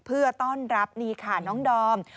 เพื่อต้อนรับนี่ค่ะน้องดอม